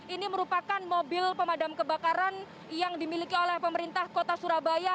ini merupakan mobil pemadam kebakaran yang dimiliki oleh pemerintah kota surabaya